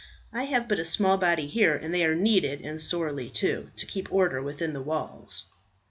I have but a small body here, and they are needed, and sorely too, to keep order within the walls."